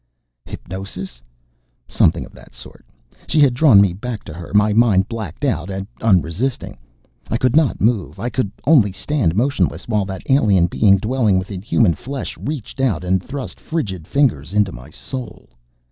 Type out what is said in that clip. Hypnosis? Something of that sort. She had drawn me back to her, my mind blacked out and unresisting. I could not move. I could only stand motionless while that Alien being dwelling within human flesh reached out and thrust frigid fingers into my soul.